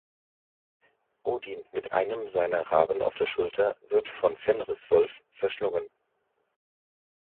Odin mit einem seiner Raben auf der Schulter wird vom Fenriswolf verschlungen.